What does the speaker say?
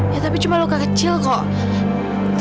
ya tapi cuma luka kecil kok